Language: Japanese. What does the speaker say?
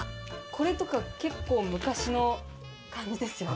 これとか結構昔の感じですよ。